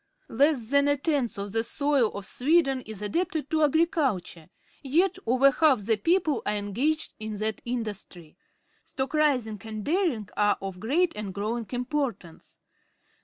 Less than a tenth of the soil of Sweden is adapted to agriculture, yet over half the people are engaged in that industry. Stock raising and dairying are of great and growing importance.